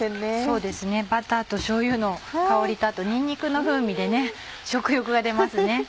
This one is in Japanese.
そうですねバターとしょうゆの香りとあとにんにくの風味でね食欲が出ますね。